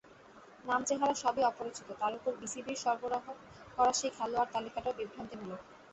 নাম-চেহারা সবই অপরিচিত, তার ওপর বিসিবির সরবরাহ করা সেই খেলোয়াড় তালিকাটাও বিভ্রান্তিমূলক।